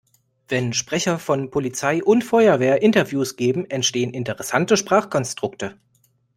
Wenn Sprecher von Polizei und Feuerwehr Interviews geben, entstehen interessante Sprachkonstrukte.